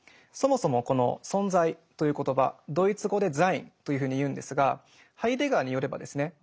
そもそもこの存在という言葉ドイツ語で「ザイン」というふうに言うんですがハイデガーによればですね